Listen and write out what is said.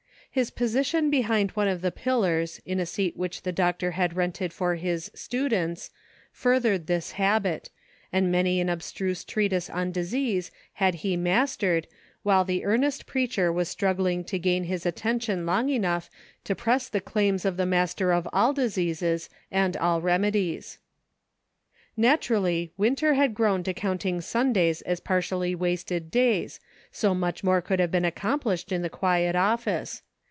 His position be hind one of the pillars in a seat which the doctor had rented for his " students," furthered this habit, and many an abstruse treatise on disease had he mastered, while the earnest preacher was strug gling to gain his attention long enough to press the claims of the Master of all diseases and all remedies. Naturally, Winter had grown to counting Sun days as partially wasted days, so much more could have been accomplished in the quiet office.